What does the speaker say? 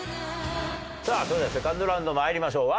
さあそれではセカンドラウンド参りましょう。